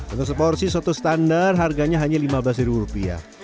untuk seporsi soto standar harganya hanya lima belas rupiah